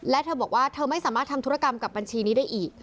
และเธอบอกว่าเธอไม่สามารถทำธุรกรรมกับบัญชีนี้ได้อีก